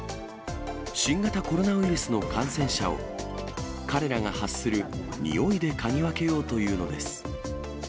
新型コロナウイルスの感染者を、彼らが発するにおいで嗅ぎ分けようというのです。